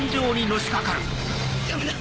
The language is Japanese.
・ダメだ